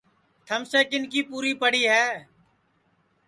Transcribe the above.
تھمیسے کِن کی پُوری ہے